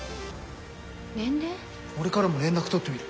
俺からも連絡取ってみる。